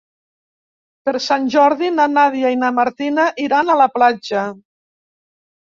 Per Sant Jordi na Nàdia i na Martina iran a la platja.